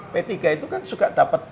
p tiga itu kan suka dapat